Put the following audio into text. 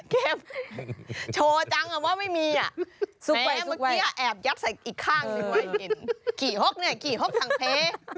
กรีหกเนี่ยกรีหกต่างเพ